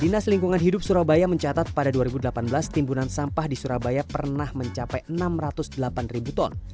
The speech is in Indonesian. dinas lingkungan hidup surabaya mencatat pada dua ribu delapan belas timbunan sampah di surabaya pernah mencapai enam ratus delapan ribu ton